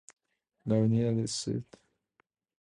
La avenida de St.